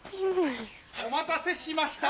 お待たせしました。